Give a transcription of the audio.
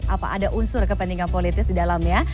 apa ada unsur kepentingan politis di dalamnya